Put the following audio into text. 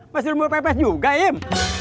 pasti lembur pepes juga im